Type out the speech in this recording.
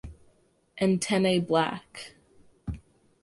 Antennae black.